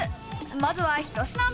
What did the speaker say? まずは１品目。